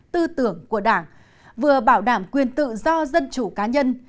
hướng của đảng vừa bảo đảm quyền tự do dân chủ cá nhân